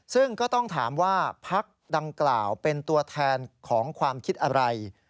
ซึ่งก็ต้องถามว่าพักดังกล่าวเป็นตัวแทนของความคิดอะไร